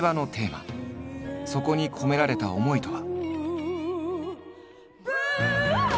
そこに込められた思いとは。